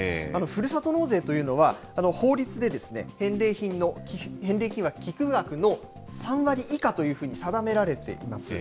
ふるさと納税というのは、法律で返礼品は寄付額の３割以下というふうに定められています。